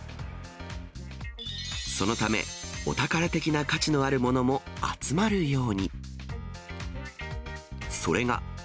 そのため、お宝的な価値のあるものも集まるように。